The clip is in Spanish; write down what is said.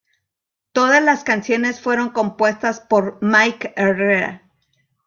Todas las canciones fueron compuestas por Mike Herrera.